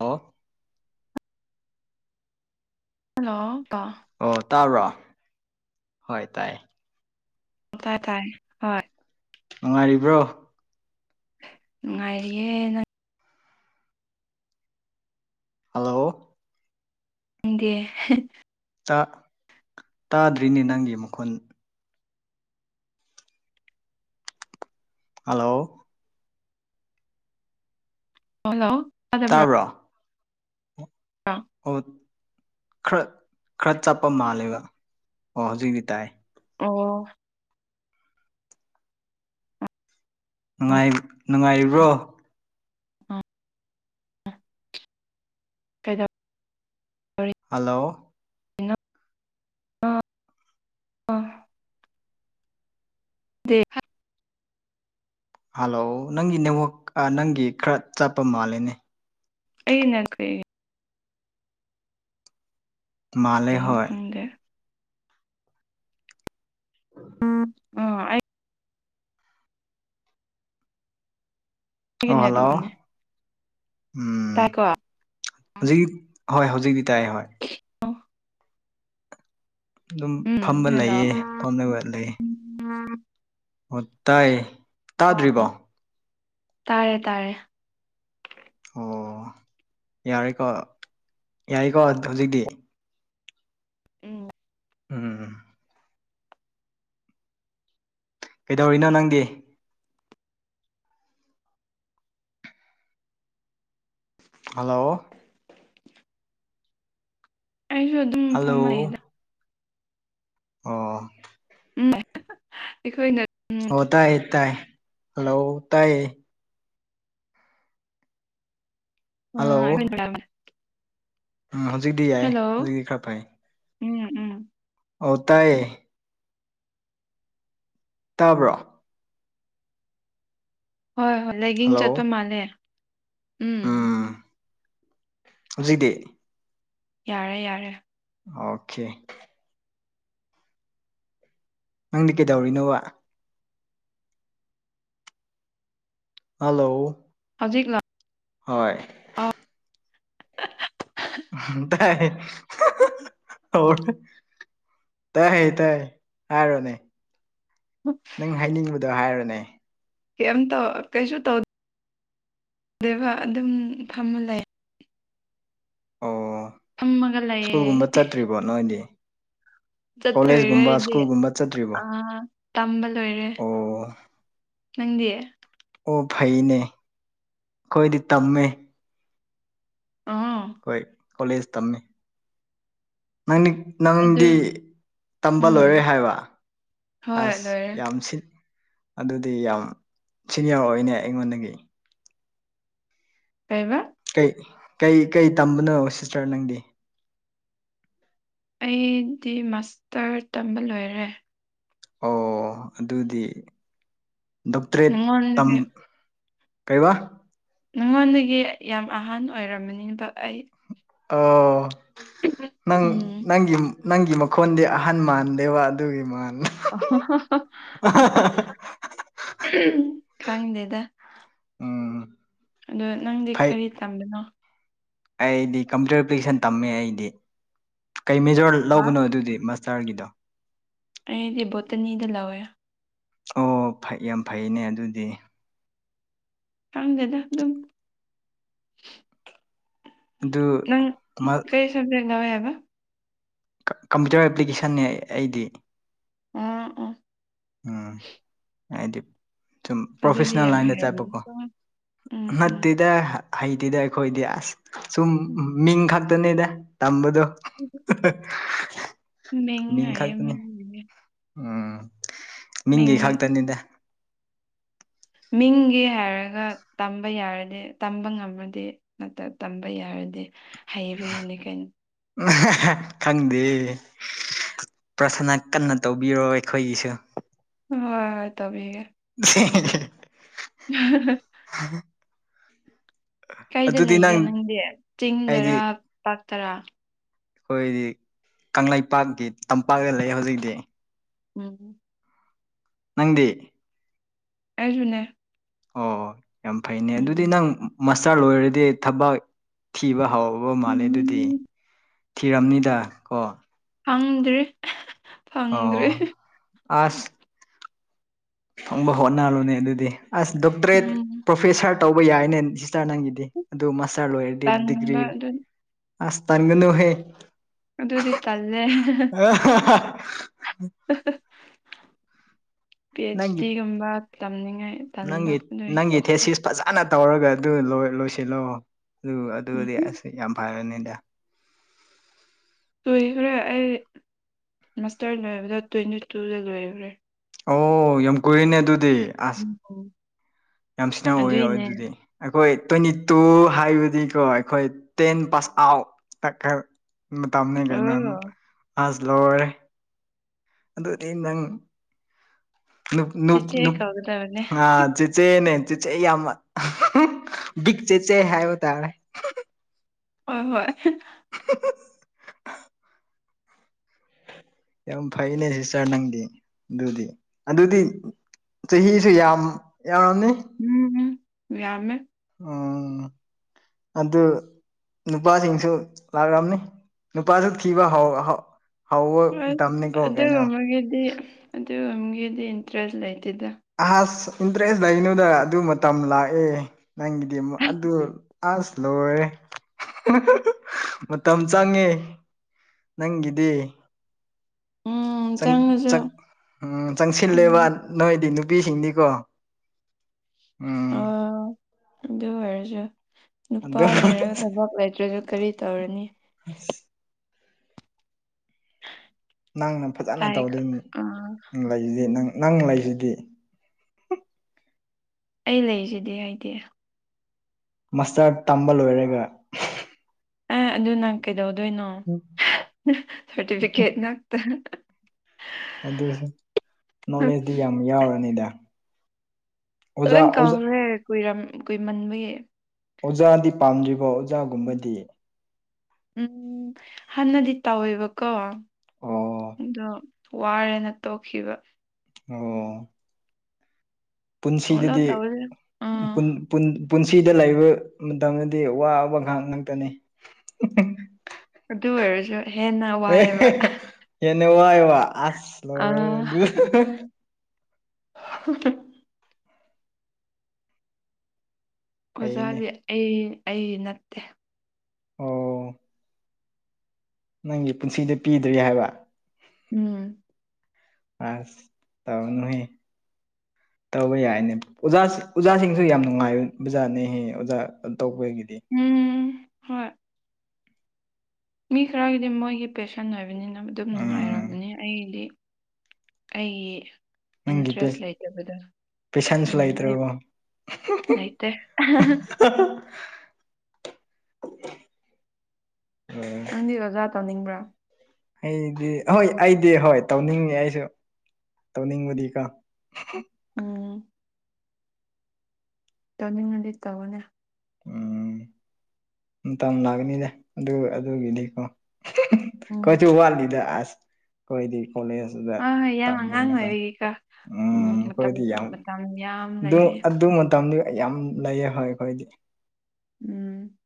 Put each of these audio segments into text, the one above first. Hello hello ꯀꯣ ꯑꯣ ꯇꯥꯕ꯭ꯔꯣ ꯍꯣꯏ ꯇꯥꯏ ꯇꯥꯏ ꯇꯥꯏ ꯍꯣꯏ ꯅꯨꯡꯉꯥꯏꯔꯤꯕ꯭ꯔꯣ ꯅꯨꯡꯉꯥꯢꯔꯤꯌꯦ ꯅꯪ ꯍꯜꯂꯣ ꯅꯪꯗꯤ ꯍꯤ ꯇꯥꯗ꯭ꯔꯤꯅꯦ ꯅꯪꯒꯤ ꯃꯈꯨꯟ ꯍꯜꯂꯣ ꯍꯂꯣ ꯇꯥꯕ꯭ꯔꯣ ꯑꯥ ꯑꯣ ꯈꯔ ꯈꯔ ꯆꯠꯄ ꯃꯥꯜꯂꯦꯕ ꯑꯣ ꯍꯧꯖꯤꯛꯤ ꯇꯥꯏ ꯑꯣ ꯅꯨꯡꯉꯥꯢ ꯅꯨꯡꯉꯥꯏꯕ꯭ꯔꯣ ꯑꯥ ꯀꯩꯗꯧ ꯍꯜꯂꯣ ꯗꯤ ꯍꯜꯂꯣ ꯅꯪꯒꯤ ꯅꯦꯠꯋꯥꯛ ꯅꯪꯒꯤ ꯈꯔ ꯆꯠꯄ ꯃꯥꯜꯂꯦꯅꯦ ꯑꯩꯅ ꯀꯩ ꯃꯥꯜꯂꯦ ꯍꯣꯢ ꯈꯪꯗꯦ ꯎꯝ ꯑꯩꯒꯤ ꯑꯣ ꯍꯜꯂꯣ ꯅꯦꯠꯋꯥꯛꯅꯦ ꯎꯝ ꯇꯥꯏꯀꯣ ꯍꯧꯖꯤꯛ ꯍꯣꯏ ꯍꯧꯖꯤꯛꯇꯤ ꯇꯥꯏ ꯍꯣꯏ ꯑꯗꯨꯝ ꯐꯝꯕ ꯍꯜꯂꯣ ꯂꯩꯌꯦ ꯐꯝꯃ ꯂꯩ ꯎꯝ ꯇꯥꯏ ꯑꯣ ꯇꯥꯗ꯭ꯔꯤꯕꯣ ꯇꯥꯔꯦ ꯇꯥꯔꯦ ꯑꯣ ꯌꯥꯔꯦꯀꯣ ꯌꯥꯏꯀꯣ ꯍꯧꯖꯤꯛꯇꯤ ꯎꯝ ꯎꯝ ꯀꯩꯗꯧꯔꯤꯅꯣ ꯅꯪꯗꯤ ꯍꯜꯂꯣ ꯑꯩꯁꯨ ꯑꯗꯨꯝ ꯍꯜꯂꯣ ꯐꯝꯃ ꯂꯩꯗ ꯑꯣ ꯎꯝ ꯑꯩꯈꯣꯏꯅ ꯑꯣ ꯇꯥꯏ ꯇꯥꯏ ꯍꯜꯂꯣ ꯇꯥꯢꯌꯦ ꯍꯜꯂꯣ ꯑꯝ [inaudible] ꯎꯝ ꯍꯧꯖꯤꯛꯇꯤ ꯌꯥꯏ ꯍꯧꯖꯤꯛꯇꯤ ꯈꯔ ꯐꯩ ꯎꯝ ꯎꯝ ꯑꯣ ꯇꯥꯢꯌꯦ ꯇꯥꯕ꯭ꯔꯣ ꯍꯣꯏ ꯍꯣꯏ ꯂꯥꯏꯒꯤꯡ ꯍꯜꯂꯣ ꯆꯠꯄ ꯃꯥꯜꯂꯦ ꯎꯝ ꯎꯝ ꯍꯧꯖꯤꯛꯇꯤ ꯌꯥꯔꯦ ꯌꯥꯔꯦ ꯑꯣꯀꯦ ꯅꯪꯗꯤ ꯀꯩꯗꯧꯔꯤꯅꯣꯕ ꯍꯜꯂꯣ ꯍꯧꯖꯤꯛ ꯂ ꯍꯣꯏ ꯇ ꯍ ꯇ ꯍꯦ ꯇꯥꯏ ꯍꯥꯏꯔꯣꯅꯦ ꯎꯝ ꯅꯪ ꯍꯥꯏꯅꯤꯡꯕꯗꯣ ꯍꯥꯏꯔꯣꯅꯦ ꯀꯩꯝꯇꯧ ꯀꯩꯁꯨ ꯇꯧꯗꯦꯕ ꯑꯗꯨꯝ ꯐꯝꯃ ꯂꯩ ꯑꯣ ꯐꯝꯃꯒ ꯂꯩꯌꯦ ꯁ꯭ꯀꯨꯜꯒꯨꯝꯕ ꯆꯠꯇ꯭ꯔꯤꯕꯣ ꯅꯣꯏꯗꯤ ꯆꯠꯄ ꯂꯣꯏꯔꯦ ꯀꯣꯂꯦꯖꯀꯨꯝꯕ ꯑꯩꯗꯤ ꯁ꯭ꯀꯨꯜꯒꯨꯝꯕ ꯆꯠꯇ꯭ꯔꯤꯕꯣ ꯑꯥ ꯇꯝꯕ ꯂꯣꯏꯔꯦ ꯑꯣ ꯅꯪꯗꯤ ꯑꯣ ꯐꯩꯅꯦ ꯑꯩꯈꯣꯏꯗꯤ ꯇꯝꯃꯤ ꯑꯥꯝ ꯑꯩꯈꯣꯏ ꯀꯣꯂꯦꯖ ꯇꯝꯃꯤ ꯅꯪꯗꯤ ꯑꯗꯨ ꯅꯪꯗꯤ ꯇꯝꯕ ꯂꯣꯏꯔꯦ ꯎꯝ ꯍꯥꯏꯕ ꯍꯣꯏ ꯑꯁ ꯂꯣꯏꯔꯦ ꯌꯥꯝ ꯁꯤꯠ ꯑꯗꯨꯗꯤ ꯌꯥꯝ ꯁꯤꯅꯤꯌꯔ ꯑꯣꯏꯅꯦ ꯑꯩꯉꯣꯟꯗꯒꯤ ꯀꯥꯏꯕ ꯀꯩ ꯀꯩ ꯀꯩ ꯇꯝꯕꯅꯣ ꯁꯤꯁꯇꯔ ꯅꯪꯗꯤ ꯑꯩꯗꯤ ꯃꯥꯁꯇꯔ ꯇꯝꯕ ꯂꯣꯏꯔꯦ ꯑꯣ ꯑꯗꯨꯗꯤ ꯗꯣꯛꯇꯔꯦꯠ ꯇꯝ ꯅꯪꯉꯣꯟꯗꯒꯤ ꯀꯩꯕꯥ ꯅꯉꯣꯟꯗꯒꯤ ꯌꯥꯝ ꯑꯍꯥꯟ ꯑꯣꯏꯔꯝꯃꯅꯤꯕ ꯑꯩ ꯑꯣ ꯅꯪ ꯎꯝ ꯅꯪꯒꯤꯤ ꯅꯪꯒꯤ ꯃꯈꯣꯟꯗꯤ ꯑꯍꯟ ꯃꯥꯟꯗꯦꯕ ꯑꯗꯨꯒꯤ ꯃꯥꯟ ꯈꯉꯗꯦꯗ ꯎꯝ ꯑꯗꯣ ꯅꯪꯗꯤ ꯐꯩ ꯀꯔꯤ ꯇꯝꯕꯅꯣ ꯑꯩꯗꯤ ꯀꯝꯄ꯭ꯌꯨꯇꯔ ꯑꯦꯄ꯭ꯂꯤꯀꯦꯁꯟ ꯇꯝꯃꯦ ꯑꯩꯗꯤ ꯀꯩ ꯃꯦꯖꯣꯔ ꯍꯥ ꯂꯧꯕꯅꯣ ꯑꯗꯨꯗꯤꯁ ꯆ ꯆꯔꯒꯤꯗꯣ ꯑꯗꯤ ꯣꯇꯅꯤꯗꯂꯥꯎꯋꯌꯥ ꯑꯣ ꯐꯩ ꯌꯥꯝ ꯐꯩꯅꯦ ꯑꯗꯨꯗꯤ ꯈꯪꯗꯦꯗ ꯑꯗꯨꯝ ꯑꯗꯨ ꯊ ꯉꯉꯕ ꯀꯝꯄ꯭ꯌꯨꯇꯔ ꯑꯦꯄ꯭ꯂꯤꯀꯦꯁꯟꯅꯦ ꯑꯩꯗꯤ ꯎꯝ ꯑꯣ ꯎꯝ ꯍꯥꯏꯗꯤ ꯁꯨꯝ ꯑꯗꯨꯗꯤ ꯄ꯭ꯔꯣꯐꯦꯁꯅꯦꯜ ꯌꯥꯝ ꯂꯥꯏꯟꯗ ꯍꯩꯔꯝꯃꯅꯤ ꯆꯠꯄꯀꯣ ꯎꯝ ꯎꯝ ꯅꯠꯇꯦꯗ ꯍꯩꯇꯤꯗ ꯑꯩꯈꯣꯏꯗꯤ ꯑꯁ ꯁꯨꯝ ꯃꯤꯡ ꯈꯛꯇꯅꯦꯗ ꯇꯝꯕꯗꯣ ꯍ ꯃ ꯃ ꯎꯝ ꯃꯤꯡꯒꯤ ꯈꯛꯇꯅꯤꯗ ꯃꯤꯡꯒꯤ ꯍꯥꯏꯔꯒ ꯇꯝꯕ ꯌꯥꯔꯗꯤ ꯇꯝꯕ ꯉꯝꯃꯗꯤ ꯠꯇ ꯇꯝꯕ ꯌꯥꯔꯗꯤ ꯍꯩꯕꯒꯤꯅꯤ ꯀꯩꯅ ꯈꯪꯗꯦ ꯄ꯭ꯔꯁꯅ ꯀꯟꯅ ꯇꯧꯕꯤꯔꯣ ꯑꯩꯈꯣꯏꯒꯤꯁꯨ ꯍꯣꯏ ꯍꯣꯏ ꯇꯕꯤ ꯍꯒ [inaudible] [inaudible] ꯍ ꯀꯩꯗ ꯂꯩꯒꯦ ꯅꯪ ꯅꯪꯗꯤ ꯍꯥꯏꯗꯤ ꯆꯤꯡꯗꯔꯥ ꯄꯥꯛꯇꯔꯥ? ꯑꯩꯈꯣꯏꯗꯤ ꯀꯪꯂꯩꯄꯥꯛꯀꯤ ꯇꯝꯄꯥꯛꯇ ꯂꯩ ꯍꯧꯖꯤꯛꯇꯤ꯫ ꯎꯝ ꯅꯪꯗꯤ ꯑꯩꯁꯨꯅꯦ ꯑꯣ ꯌꯥꯝ ꯐꯩꯅꯦ ꯑꯗꯨꯗꯤ ꯎꯝ ꯅꯪ ꯃꯁꯇꯔ ꯂꯣꯏꯔꯗꯤ ꯊꯕꯛ ꯊꯤꯕ ꯍꯥꯎꯕ ꯃꯥꯜꯂꯦ ꯑꯗꯨꯗꯤ ꯎꯝ ꯊꯤꯔꯝꯅꯤꯗ ꯀꯣ ꯐꯪꯗ꯭ꯔꯤ ꯑꯣ ꯐꯪꯗ꯭ꯔꯤ ꯑꯁ ꯐꯪꯕ ꯍꯣꯠꯅꯜꯂꯨꯅꯦ ꯑꯗꯨꯗꯤ ꯑꯁ ꯗꯣꯛꯇꯔꯦꯠ ꯎꯝ ꯄ꯭ꯔꯣꯐꯦꯁꯥꯔ ꯇꯧꯕ ꯌꯥꯏꯅꯦ ꯁꯤꯁꯇꯔ ꯅꯪꯒꯤ ꯑꯗꯨ ꯃꯥꯁꯇꯔ ꯂꯣꯏꯔꯗꯤ ꯗꯤꯒ꯭ꯔꯤ ꯇꯟꯕ ꯑꯗꯨ ꯑꯁ ꯇꯟꯒꯅꯨꯍꯦ ꯑꯗꯨꯗꯤ ꯇꯜꯂꯦ ꯄꯤ ꯑꯩꯆ ꯗꯤꯒꯨꯝꯕ ꯇꯝꯅꯤꯡꯉꯥꯏ ꯇꯟꯕ ꯅꯪꯤ ꯑꯗꯨꯏ ꯅꯪ ꯏ ꯊꯦ ꯇꯣꯛꯈ꯭ꯔꯦ ꯁꯤꯁ ꯐꯖꯅ ꯇꯧꯔꯒ ꯑꯗꯨ ꯂꯣꯏꯁꯤꯜꯂꯛꯑꯣ ꯑꯗꯨ ꯎꯝ ꯑꯗꯨꯗꯤ ꯑꯁ ꯌꯥꯝ ꯐꯔꯅꯤꯗ ꯂꯨꯈ꯭ꯔꯦ ꯑꯩ ꯃꯁꯇꯔ ꯂꯣꯏꯕꯗ ꯇ꯭ꯋꯦꯟꯇꯤ ꯇꯨꯗ ꯂꯣꯏꯈꯨꯔꯦ ꯑꯣ ꯌꯥꯝ ꯀꯨꯏꯔꯤꯅꯦ ꯑꯗꯨꯗꯤ ꯎꯝ ꯍꯣ ꯌꯥꯝꯁꯤꯅ ꯑꯣꯏꯋ ꯑꯗꯨꯗꯤ [unintelligible] ꯑꯩꯈꯣꯏ ꯇ꯭ꯋꯦꯟꯇꯤ ꯇꯨ ꯍꯥꯏꯕꯗꯤꯀꯣ ꯑꯩꯈꯣꯏ ꯇꯦꯟ ꯄꯥꯁ ꯑꯥꯎꯠ ꯇꯀ [unintelligible] ꯃꯥꯇꯝꯅꯤ ꯀꯩꯅꯣ ꯑꯣ ꯑꯥꯁ ꯂꯧꯔꯦ ꯑꯗꯨꯗꯤ ꯅꯪ ꯅꯨ ꯅꯨ ꯆꯦꯆꯦ ꯅꯨ ꯀꯧꯒꯗꯕꯅꯦ ꯆꯦꯆꯦꯅꯦ ꯆꯦꯆꯦ ꯌꯥꯝ ꯕꯤꯛ ꯆꯦꯠꯆꯦ ꯍꯥꯏꯕ ꯇꯥꯔꯦ ꯍꯣꯏ ꯍꯣꯏ [inaudible] ꯌꯥꯝ ꯐꯩꯅꯦ ꯁꯤꯁꯇꯔ ꯅꯪꯗꯤ ꯑꯗꯨꯗꯤ ꯑꯗꯨꯗꯤ ꯆꯍꯤꯁꯨ ꯌꯥꯝ ꯌꯥꯝꯅꯤ ꯎꯝ ꯎꯝ ꯌꯥꯃꯦ ꯎꯝ ꯑꯗꯨ ꯅꯨꯄꯥꯁꯤꯡꯁꯨ ꯂꯥꯛꯂꯝꯅꯤ ꯅꯨꯄꯥꯁꯨ ꯊꯤꯕ ꯍꯧ ꯍꯧ ꯍꯧꯕ ꯑꯁ ꯃꯇꯝꯅꯤꯀꯣ ꯀꯩꯅꯣ ꯑꯗꯨꯒꯕꯒꯤꯗꯤ ꯑꯗꯨꯒꯒꯤꯗꯤ ꯏꯟꯇꯔꯦꯁ ꯂꯩꯇꯦꯗ꯫ ꯑꯍꯁ ꯏꯟꯇꯔꯦꯁ ꯂꯩꯩꯅꯣꯗ ꯑꯗꯨ ꯃꯇꯝ ꯂꯥꯛꯑꯦ꯫ ꯅꯪꯒꯤꯗꯃꯨꯛ ꯑꯗꯨ ꯑꯁꯥ ꯂꯣꯏꯔꯦ ꯃꯇꯝ ꯆꯪꯉꯦ꯫ ꯅꯪꯒꯤꯗꯤ ꯎꯝ ꯆꯪ ꯆꯪꯉꯁꯨ ꯆꯪꯁꯤꯜꯂꯦꯕ ꯎꯝ ꯅꯣꯏꯗꯤ ꯅꯨꯄꯤꯁꯤꯡꯅꯤꯀꯣ ꯎꯝ ꯑꯣ ꯑꯗꯨ ꯑꯣꯏꯔꯁꯨ ꯅꯨꯄꯥ ꯑꯗꯨ ꯂꯩꯔꯒ ꯊꯕꯛ ꯂꯩꯇ꯭ꯔꯁꯨ ꯀꯔꯤ ꯇꯧꯔꯅꯤ꯫ ꯎꯝ [inaudible] ꯅꯪꯅ ꯐꯖꯅ ꯇꯥꯏ ꯇꯧꯗꯣꯏꯅꯤ ꯑꯥ ꯂꯩꯌꯦ ꯅꯪ ꯂꯩꯁꯤꯗꯤ ꯑꯩ ꯂꯩꯔꯤꯁꯤꯗꯤ ꯍꯥꯏꯗꯤ ꯃꯁꯇꯔ ꯇꯝꯕ ꯂꯣꯏꯔꯒ ꯑ ꯑꯗꯨ ꯅꯪ ꯀꯩꯗꯧꯗꯣꯏꯅꯣ ꯁꯥꯔꯇꯤꯐꯤꯀꯦꯠ ꯉꯥꯛꯇ ꯑꯗꯨꯁꯨ ꯅꯣꯂꯦꯖꯇꯤ ꯌꯥꯝ ꯌꯥꯎꯔꯅꯤꯗ ꯑꯣꯖꯥ ꯂꯣꯏꯅ ꯑꯣꯖꯥ ꯀꯧꯈ꯭ꯔꯦ ꯀꯨꯏꯔ ꯀꯨꯏꯃꯟꯕꯒꯤ꯫ ꯑꯣꯖꯥꯗꯤ ꯄꯥꯝꯗꯦꯀꯣ ꯑꯣꯖꯥꯒꯨꯝꯕꯗꯤ ꯎꯝ ꯍꯥꯟꯅꯗꯤ ꯇꯧꯋꯦꯕꯀꯣ ꯑꯣ ꯑꯗꯣ ꯋꯥꯔꯦꯅ ꯇꯣꯛꯈꯤꯕ ꯑꯣ ꯑꯣꯂꯣ ꯇꯧꯔꯦ ꯑꯥ ꯄꯨꯟꯁꯤꯗꯗꯤꯟ ꯄꯨꯟꯁꯤꯗ ꯂꯩꯕ ꯃꯇꯝꯗꯗꯤ ꯋꯥꯕ ꯉꯥꯏꯍꯥꯛ ꯉꯥꯛꯇꯅꯤ ꯑꯗꯨ ꯑꯣꯏꯔꯁꯨꯦ ꯍꯦꯟꯅ ꯑꯦ ꯋꯥꯏꯑꯦꯕ ꯍꯅꯦ ꯋꯥ ꯋꯥ ꯑꯁ ꯂꯣꯢꯔꯦ ꯑꯥ ꯑꯗꯨ ꯑꯣꯖꯥꯗꯤ ꯐꯩꯅꯦ ꯑꯩ ꯑꯩ ꯅꯠꯇꯦ ꯑꯣ ꯅꯪꯒꯤ ꯄꯨꯟꯁꯤꯗ ꯄꯤꯗ꯭ꯔꯤ ꯍꯥꯏꯕ ꯎꯝ [unintelligible] ꯑꯁ ꯇꯥꯎꯅꯨꯍꯦ [inaudible] [inaudible] ꯇꯧꯕ ꯌꯥꯏꯅꯦ ꯑꯣꯖꯥ ꯑꯣꯖꯥꯁꯤꯡꯁꯨ ꯌꯥꯝ ꯅꯨꯡꯉꯥꯏ ꯕꯅꯦꯍꯦ ꯑꯣꯖꯥ ꯇꯧꯕꯒꯤꯗꯤ꯫ ꯎꯝ ꯍꯣꯏ ꯃꯤ ꯈꯔꯒꯤꯗꯤ ꯃꯣꯏꯒꯤ ꯄꯦꯁꯟ ꯑꯣꯏꯕꯅꯤꯅ ꯑꯗꯨꯝ ꯎꯝ ꯅꯨꯡꯉꯥꯏꯔꯕꯅꯤ ꯑꯩꯒꯤꯗꯤ ꯑꯩꯒꯤ ꯅꯪꯒꯤ ꯏꯟꯇꯔꯦꯁ ꯂꯩꯇꯕꯗ ꯄꯦꯁꯟꯁꯨ ꯎꯝ ꯑꯩ ꯂꯩꯇ꯭ꯔꯕꯣ ꯂꯩꯇꯦ ꯅꯪꯗꯤ ꯑꯣꯖꯥ ꯇꯧꯅꯤꯡꯕ꯭ꯔꯥ? ꯑꯩꯗꯤ ꯍꯣꯏ ꯑꯩꯗꯤ ꯍꯣꯏ ꯇꯧꯅꯤꯡꯉꯦ ꯑꯩꯁꯨ ꯇꯧꯅꯤꯡꯕꯗꯤꯀꯣ꯫ ꯎꯝ ꯇꯅꯤꯡꯅꯗꯤ ꯏ ꯇꯕꯅꯦ ꯎꯝ ꯃꯇꯝ ꯂꯥꯛꯀꯅꯤꯅꯦ ꯑꯗꯨ ꯑꯗꯨꯒꯤꯗꯤꯀꯣ ꯎꯝ ꯀꯣꯏꯁꯨ ꯎ ꯋꯥ ꯂꯤꯗ ꯑ ꯀꯣꯏꯗꯤ ꯀꯣ ꯑ ꯍꯣꯏ ꯌꯥꯝ ꯑꯉꯥꯡ ꯑꯣꯏꯔꯤꯒꯀꯣ ꯎꯝ ꯃꯇꯝ ꯑꯩꯈꯣꯏꯗꯤ ꯌꯥꯝ ꯃꯇꯝ ꯌꯥꯝ ꯑꯗꯨ ꯂꯩꯔꯤ ꯑꯗꯨ ꯃꯇꯝꯗꯤ ꯌꯥꯝ ꯂꯩꯌꯦ ꯍꯣꯏ ꯑꯩꯈꯣꯏꯗꯤ ꯎꯝ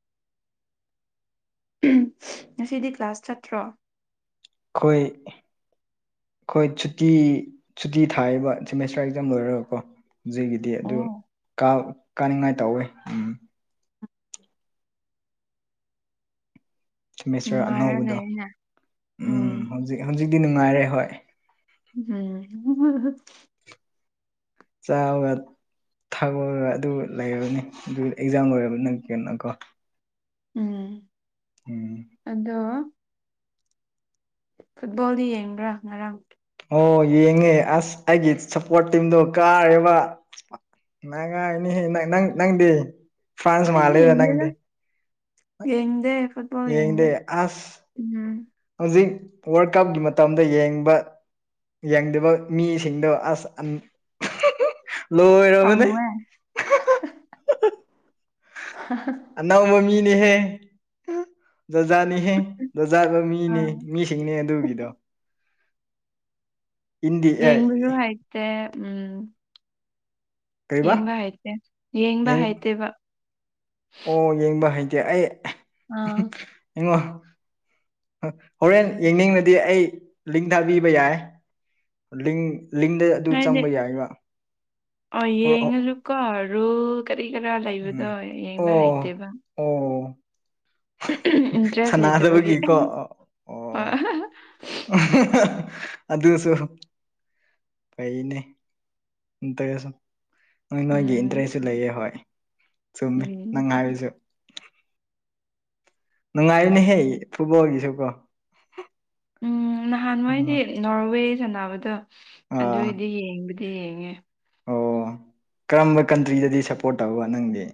ꯉꯁꯤꯗꯤ ꯀ꯭ꯂꯥꯁ ꯆꯠꯇ꯭ꯔꯣ ꯑꯩꯈꯣꯏ ꯑꯩꯈꯣꯏ ꯁꯨꯇꯤ ꯁꯨꯇꯤ ꯊꯥꯏꯕ ꯁꯦꯃꯦꯁꯇ꯭ꯔꯔ ꯑꯦꯛꯖꯥꯝ ꯂꯣꯏꯔꯔꯕꯀꯣ ꯖꯤꯒꯤꯗꯤ ꯑꯗꯨ ꯑꯣ ꯀꯥꯅꯤꯡꯉꯥꯏ ꯇꯧꯋꯦ ꯎꯝ ꯁꯦꯃꯦꯁꯔ ꯅꯨꯡꯉꯥꯏꯔ ꯑꯅꯧꯕꯗꯣ ꯂꯩꯔꯤꯅꯦ ꯎꯝ ꯍꯧꯖꯤꯛ ꯍꯧꯖꯤꯛꯇꯤ ꯅꯨꯡꯉꯥꯏꯔꯦ ꯍꯣꯏ ꯑ ꯆꯥꯔꯒ ꯊꯥꯛꯗꯣꯛꯑꯒ ꯑꯗꯨ ꯂꯩꯅꯤ ꯑꯗꯨ ꯑꯦꯛꯖꯥꯝ ꯂꯣꯏꯔꯕ ꯅꯪ ꯀꯅꯀꯣ ꯎꯝ ꯎꯝ ꯑꯗꯣ ꯐꯨꯠꯕꯣꯜꯗꯤ ꯌꯦꯡꯕ꯭ꯔꯥ ꯉꯔꯥꯡ ꯑꯣ ꯌꯦꯡꯉꯦ ꯑꯁ ꯑꯩꯒꯤ ꯁꯞꯄꯣꯔꯠ ꯇꯤꯝꯗꯣ ꯀꯥꯔꯦꯕ ꯅꯪꯉꯪ ꯅꯪ ꯅꯪꯗꯤ ꯐ꯭ꯔꯥꯟꯁ ꯑꯩꯗꯤ ꯃꯥꯂꯦꯗ ꯌꯦꯡꯗꯦꯗ ꯅꯪꯗꯤ ꯌꯦꯡꯗꯦ ꯐꯨꯠꯕꯣꯜ ꯌꯦꯡꯗꯦ ꯎꯝ ꯍꯧꯖꯤꯛ ꯋꯥꯔꯜ ꯀꯞꯀꯤ ꯃꯇꯝꯗ ꯌꯦꯡꯕ ꯌꯦꯡꯗꯕ ꯃꯤꯁꯤꯡꯗꯣ ꯑꯁ ꯂꯣꯏꯔꯕꯅꯦ ꯄꯝꯃꯨꯏ ꯑꯅꯧꯕ ꯃꯤꯅꯤꯍꯦ ꯖꯣꯖꯥꯅꯤꯍꯦ ꯖꯣꯖꯥꯒ ꯑ ꯃꯤꯅꯤ ꯃꯤꯁꯤꯡꯅꯦ ꯑꯗꯨꯒꯤꯗꯣ ꯏꯟꯗꯤ ꯑꯦ ꯌꯦꯡꯕꯁꯨ ꯍꯥꯏꯇꯦ ꯎꯝ ꯀꯩꯕꯥ ꯌꯦꯡꯕ ꯍꯥꯏꯇꯦ ꯌꯦꯡꯕ ꯍꯥꯏꯇꯦꯕ ꯑꯣ ꯌꯦꯡꯕ ꯍꯩꯇꯦ ꯑꯩ ꯑꯥ ꯌꯦꯡꯉꯣ ꯍꯣꯔꯦꯟ ꯌꯦꯡꯅꯤꯡꯅꯗꯤ ꯑꯩ ꯂꯤꯡ ꯊꯥꯕꯤꯕ ꯌꯥꯏ ꯂꯤꯡ ꯂꯤꯡꯗ ꯑꯗꯨ ꯍꯥꯏꯗꯤ ꯆꯪꯕ ꯌꯥꯏꯕ꯭ꯔꯥ ꯍꯔꯛ ꯀꯣ ꯔꯨ ꯀꯔꯤ ꯀꯔꯥ ꯂꯩꯕꯗꯣ ꯎꯝ ꯌꯦꯡꯕ ꯑꯣ ꯍꯩꯇꯦꯕ ꯏꯟꯇꯔꯦꯁ ꯂꯩꯇꯕꯒꯤ ꯁꯥꯟꯅꯖꯕꯒꯤꯀꯣ ꯎꯝ ꯑꯣ ꯑꯗꯨꯗꯁꯨ ꯄꯩꯅꯦ ꯏꯁꯝ ꯅꯣꯏ ꯅꯣꯏꯒꯤ ꯏꯟꯇꯔꯦꯁꯁꯨ ꯂꯩꯌꯦ ꯍꯣꯏ ꯆꯨꯝꯃꯤ ꯅꯪ ꯎꯝ ꯍꯥꯏꯔꯤꯁꯨ ꯅꯨꯡꯉꯥꯏꯔꯤꯅꯦꯍꯦ ꯐꯨꯠꯕꯣꯜꯒꯤꯁꯨꯀꯣ ꯎꯝ ꯅꯍꯥꯟꯋꯥꯏꯗꯤ ꯎꯝ ꯅꯣꯔꯋꯦ ꯁꯥꯟꯅꯕꯗꯣ ꯑꯥ ꯑꯗꯨꯒꯤꯗꯤ ꯌꯦꯡꯕꯨꯗꯤ ꯌꯦꯡꯉꯦ ꯑꯣ ꯀꯔꯝꯕ ꯀꯟꯇ꯭ꯔꯤꯗꯗꯤ ꯁꯞꯄꯣꯔꯠ ꯇꯧꯒ ꯅꯪꯗꯤ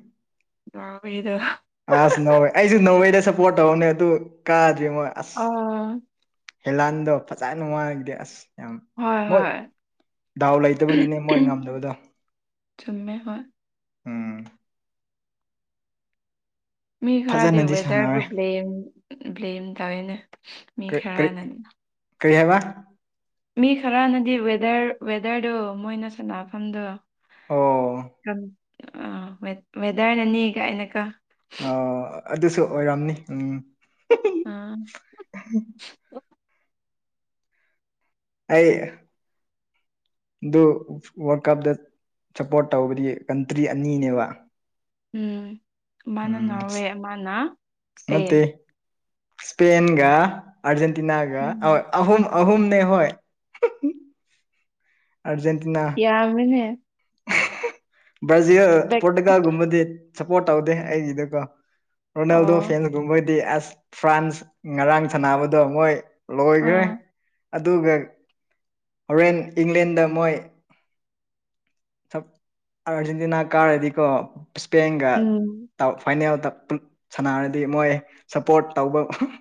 ꯑꯕꯤꯗ ꯑꯁ ꯅꯧꯋꯦ ꯑꯩꯁꯨ ꯅꯣꯡꯋꯩꯗ ꯁꯞꯄꯣꯔꯠ ꯇꯧꯅꯦ ꯑꯗꯨ ꯀꯥꯗ꯭ꯔꯤ ꯃꯣꯏ ꯑꯁ ꯑꯥ ꯍꯦꯂꯥꯟꯗꯣ ꯐꯖꯅ ꯅꯨꯡ ꯋꯥꯉꯗꯤꯦ ꯑꯁ ꯌꯥꯝ ꯍꯣꯏ ꯃꯣꯏ ꯍꯣꯏ ꯗꯥꯎ ꯂꯩꯇꯕꯒꯤꯅꯦ ꯃꯣꯏ ꯉꯝꯗꯕꯗꯣ ꯆꯨꯝꯃꯦ ꯍ ꯎꯝ ꯃꯤ ꯈꯔꯗꯤ ꯐꯖꯅꯗꯤ ꯋꯦꯗꯔꯕꯨ ꯁꯥꯟꯅꯔꯦ ꯕ꯭ꯂꯦꯝ ꯕ꯭ꯂꯦꯝ ꯇꯧꯋꯦꯅꯦ ꯃꯤ ꯀꯔꯤ ꯀꯔꯤ ꯈꯔꯅꯅꯤ ꯀꯔꯤ ꯍꯥꯏꯕ ꯃꯤ ꯈꯔꯅꯗꯤ ꯋꯦꯗꯔ ꯋꯦꯗꯔꯗꯨꯣ ꯃꯣꯏꯅ ꯁꯥꯟꯅꯐꯝꯗꯣ ꯑꯣ ꯑ ꯋꯦꯗꯔꯅꯅꯤꯒꯥꯏꯅꯒ ꯑ ꯑꯗꯨꯁꯨ ꯑꯣꯏꯔꯝꯅꯤ ꯎꯝ ꯎꯝ ꯎ ꯑꯩꯌꯦ ꯑꯗꯨ ꯋꯥꯔꯜ ꯀꯞꯇ ꯁꯞꯄꯣꯔꯠ ꯇꯧꯕꯗꯤ ꯀꯟꯇ꯭ꯔꯤ ꯑꯅꯤꯅꯦꯕ ꯎꯝ ꯑꯃꯅ ꯎꯝ ꯅꯣꯔꯋꯦ ꯑꯃꯅ ꯏꯁꯄꯦꯟ ꯅꯠꯇꯦ ꯏꯁꯄꯦꯟꯒ ꯑꯔꯖꯦꯟꯇꯤꯅꯥꯒ ꯍ ꯎꯝ ꯑꯍꯨꯝ ꯑꯍꯨꯝꯅꯦ ꯍꯣꯏ ꯑꯔꯖꯦꯟꯇꯤꯅꯥ ꯌꯥꯃꯦꯅꯦ ꯕ꯭ꯔꯥꯖꯤꯜ ꯕꯦꯛ ꯄꯣꯔꯇꯨꯒꯥꯜꯒꯨꯝꯕꯗꯤ ꯁꯞꯄꯣꯔꯠ ꯇꯧꯗꯦ ꯑꯩꯒꯤꯗꯀꯣ ꯔꯣꯅꯥꯜꯗꯣ ꯑꯣ ꯐꯦꯟꯁꯒꯨꯝꯕꯣꯏꯗꯤ ꯑꯁ ꯐ꯭ꯔꯥꯟꯁ ꯉꯔꯥꯡ ꯁꯥꯟꯅꯕꯗꯣ ꯃꯣꯏ ꯂꯣꯏꯈ꯭ꯔꯦ ꯑꯥ ꯑꯗꯨꯒ ꯍꯣꯔꯦꯟ ꯏꯪꯂꯦꯟꯗ ꯃꯣꯏ ꯁ ꯑꯥꯔꯖꯦꯟꯇꯤꯅꯥ ꯀꯥꯔꯗꯤꯀꯣ ꯏꯁꯄꯦꯟꯒ ꯎꯝ ꯐꯥꯏꯅꯦꯜꯗ ꯁꯥꯟꯅꯔꯗꯤ ꯃꯣꯏ ꯁꯞꯄꯣꯔꯠ ꯇꯧꯕ